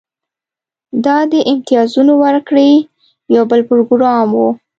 دا د امتیازونو ورکړې یو بل پروګرام و